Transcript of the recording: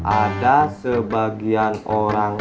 ada sebagian orang